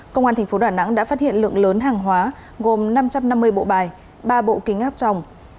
công an tp đà nẵng đã phát hiện lượng lớn hàng hóa gồm năm trăm năm mươi bộ bài ba bộ kính áp tròng